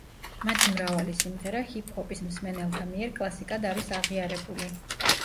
მათი მრავალი სიმღერა ჰიპ-ჰოპის მსმენელთა მიერ კლასიკად არის აღიარებული.